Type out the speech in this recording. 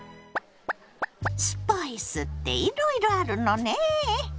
スパイスっていろいろあるのねえ。